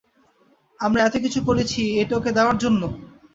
আমরা এত কিছু করেছি এটা ওকে দেওয়ার জন্য?